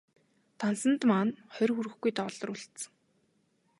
Дансанд маань хорь хүрэхгүй доллар үлдсэн.